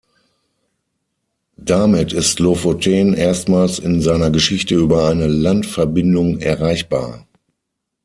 Damit ist Lofoten erstmals in seiner Geschichte über eine Landverbindung erreichbar.